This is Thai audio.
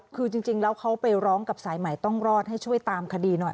คือจริงแล้วเขาไปร้องกับสายใหม่ต้องรอดให้ช่วยตามคดีหน่อย